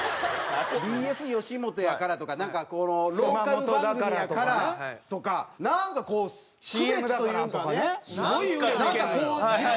ＢＳよしもとやからとかなんかローカル番組やからとかなんかこう区別というかねなんかこう。